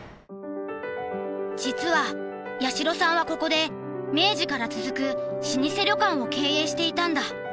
実は八代さんはここで明治から続く老舗旅館を経営していたんだ。